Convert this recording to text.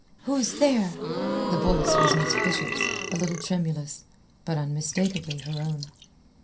"Who is there?" The voice was Miss Bishop's, a little tremulous, but unmistakably her own.